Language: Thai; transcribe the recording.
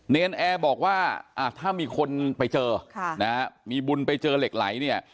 เนรนแอร์บอกว่าถ้ามีคนไปเจอมีบุญไปเจอเหล็กไหลเนี่ย